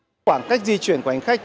khoảng cách di chuyển của anh khách